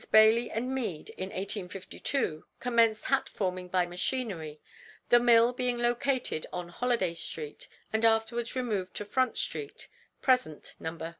Bailey & Mead, in 1852, commenced hat forming by machinery, the "mill" being located on Holliday street, and afterwards removed to Front street (present number 320).